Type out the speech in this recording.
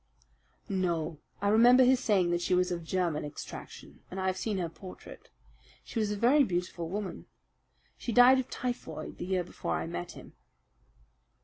"No, I remember his saying that she was of German extraction, and I have seen her portrait. She was a very beautiful woman. She died of typhoid the year before I met him."